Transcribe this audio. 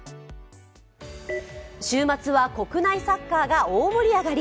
週末は国内サッカーが大盛り上がり。